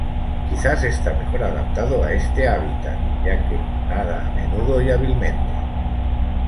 Quizás está mejor adaptado a este hábitat, ya que nada a menudo y hábilmente.